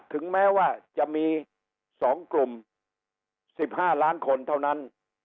ถึงแม้ว่าจะมี๒กลุ่ม๑๕ล้านคนเท่านั้น